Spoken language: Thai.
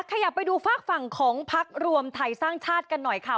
ขยับไปดูฝากฝั่งของพักรวมไทยสร้างชาติกันหน่อยค่ะ